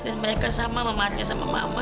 dan mereka sama memarahi sama mama